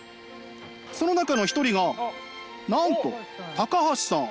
その中の一人がなんと橋さん。